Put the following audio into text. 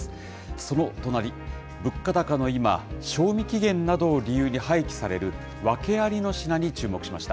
その隣、物価高の今、賞味期限などを理由に廃棄される訳ありの品に注目しました。